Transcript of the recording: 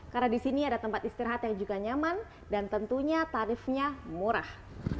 karena di sini ada tempat istirahat yang juga nyaman dan tentunya tarifnya murah